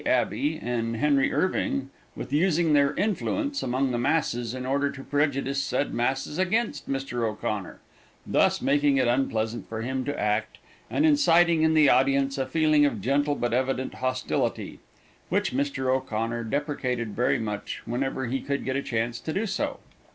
Abbey and Henry Irving with using their influence among the masses in order to prejudice said masses against Mr. O'Connor, thus making it unpleasant for him to act, and inciting in the audience a feeling of gentle but evident hostility, which Mr. O'Connor deprecated very much whenever he could get a chance to do so.